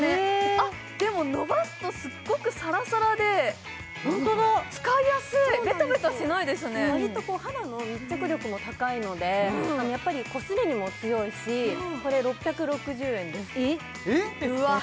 あっでものばすとすっごくサラサラでホントだ使いやすいベタベタしないですね割と肌の密着力も高いのでやっぱりこすれにも強いしこれ６６０円ですえっ